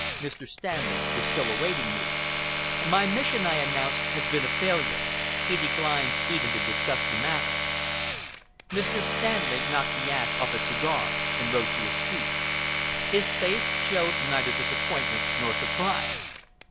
Mr. Stanley was still awaiting me. "My mission," I announced, "has been a failure. He declines even to discuss the matter." Mr. Stanley knocked the ash off his cigar and rose to his feet. His face showed neither disappointment nor surprise.